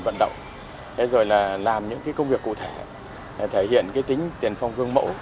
vận động làm những công việc cụ thể để thể hiện tính tiền phong gương mẫu